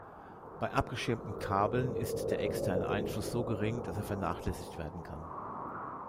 Bei abgeschirmten Kabeln ist der externe Einfluss so gering, dass er vernachlässigt werden kann.